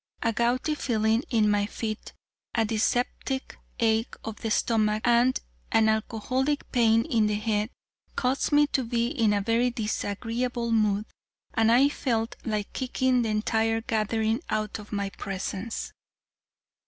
A gouty feeling in my feet, a dyspeptic ache of the stomach and an alcoholic pain in the head, caused me to be in a very disagreeable mood, and I felt like kicking the entire gathering out of my presence.